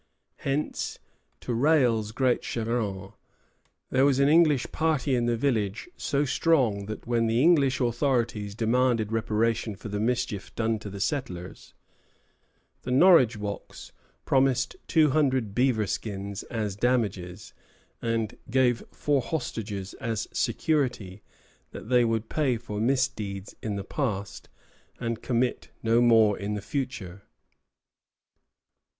Hence, to Rale's great chagrin, there was an English party in the village so strong that when the English authorities demanded reparation for the mischief done to the settlers, the Norridgewocks promised two hundred beaver skins as damages, and gave four hostages as security that they would pay for misdeeds in the past, and commit no more in the future.